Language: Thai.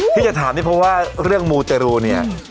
ที่จะถามนี่เพราะว่าเรื่องมูเตรูเนี่ย